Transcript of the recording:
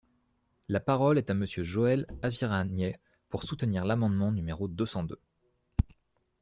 La parole est à Monsieur Joël Aviragnet, pour soutenir l’amendement numéro deux cent deux.